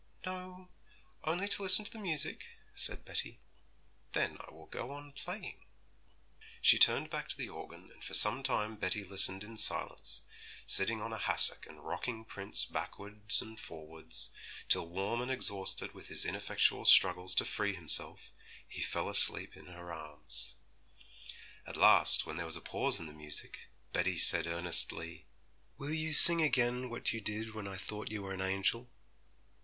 'No, only to listen to the music,' said Betty. 'Then I will go on playing.' She turned back to the organ, and for some time Betty listened in silence, sitting on a hassock and rocking Prince backwards and forwards, till warm and exhausted with his ineffectual struggles to free himself, he fell asleep in her arms. At last, when there was a pause in the music, Betty said earnestly, 'Will you sing again what you did when I thought you were an angel?'